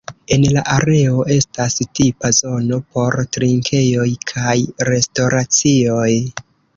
En la areo estas tipa zono por trinkejoj kaj restoracioj.